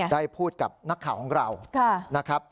ได้พูดกับนักข่าวของเรา